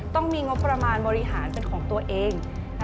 ต้องมีงบประมาณบริหารเป็นของตัวเอง